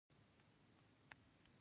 موږ هر وخت د اللهﷻ شکر ادا کوو.